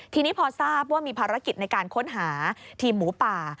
ทีนี้พอทราบว่ามีภารกิจในการค้นหาทีมหมูป่า